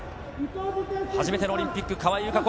初めてのオリンピック、川井友香子。